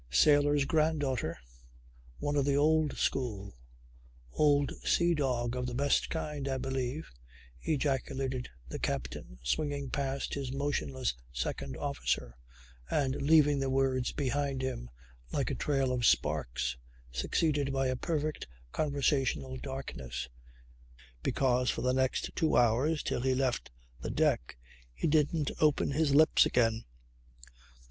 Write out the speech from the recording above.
"Sailor's granddaughter. One of the old school. Old sea dog of the best kind, I believe," ejaculated the captain, swinging past his motionless second officer and leaving the words behind him like a trail of sparks succeeded by a perfect conversational darkness, because, for the next two hours till he left the deck, he didn't open his lips again.